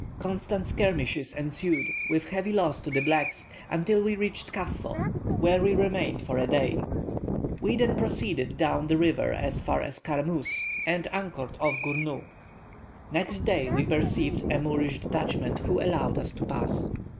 Constant skirmishes ensued, with heavy loss to the blacks, until we reached Kaffo, where we remained for a day. We then proceeded down the river as far as Carmusse, and anchored off Gournou. Next day we perceived a Moorish detachment, who allowed us to pass.